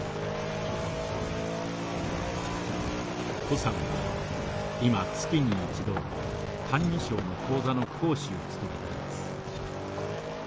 高さんは今月に一度「歎異抄」の講座の講師を務めています。